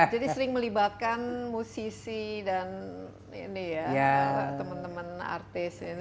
jadi sering melibatkan musisi dan teman teman artis